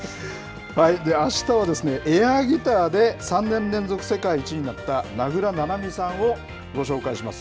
あしたはエアギターで３年連続世界１位になった名倉七海さんをご紹介します。